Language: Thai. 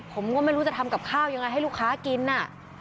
ผมก็ไม่รู้จะทำกับข้าวยังไงให้ลูกค้ากินน่ะ